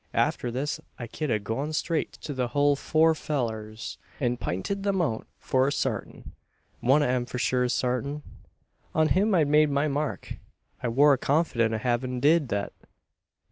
Arter this, I ked a gone straight to the hul four fellurs, an pinted 'em out for sartin. One o' 'em, for sure sartin. On him I'd made my mark. I war confident o' havin' did thet."